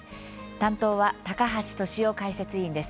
担当は高橋俊雄解説委員です。